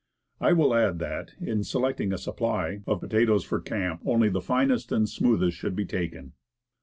I will add that, in select ing a supply of potatoes for camp, only the finest and smoothest should be taken.